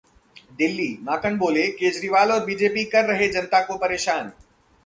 दिल्ली: माकन बोले- केजरीवाल और बीजेपी कर रहे जनता को परेशान